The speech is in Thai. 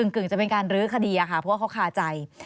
กึ่งจะเป็นการรื้อคดีอะค่ะเพราะว่าเขาคาใจ